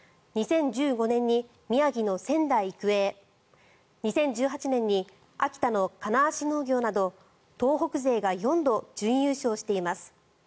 ２０１５年に宮城の仙台育英２０１８年に秋田の金足農業など東北勢が４度準優勝しています。